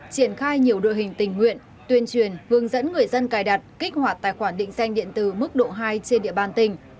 triển khai nhiều đội hình tình nguyện tuyên truyền hướng dẫn người dân cài đặt kích hoạt tài khoản định danh điện tử mức độ hai trên địa bàn tỉnh